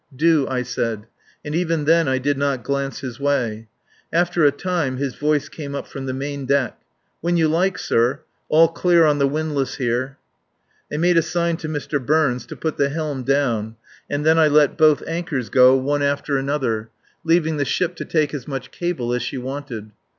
Do," I said. And even then I did not glance his way. After a time his voice came up from the main deck. "When you like, sir. All clear on the windlass here." I made a sign to Mr. Burns to put the helm down and let both anchors go one after another, leaving the ship to take as much cable as she wanted.